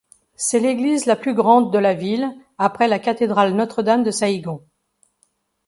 C'est l'église la plus grande de la ville, après la Cathédrale Notre-Dame de Saïgon.